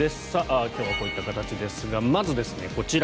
今日はこういった形ですがまず、こちら。